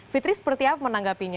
fitri seperti apa menanggapinya